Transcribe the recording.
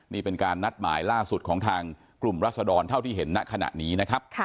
นี่เป็นการนัดหมายล่าสุดของทางกลุ่มรัศดรเท่าที่เห็นณขณะนี้นะครับ